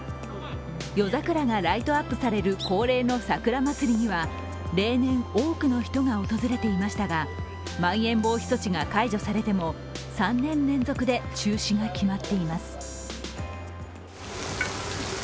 夜桜がライトアップされる恒例の桜まつりには例年、多くの人が訪れていましたまん延防止措置が解除されても３年連続で中止が決まっています。